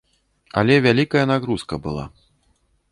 Але вялікая нагрузка была.